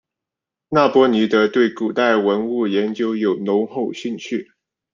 那波尼德对古代文物研究有浓厚兴趣。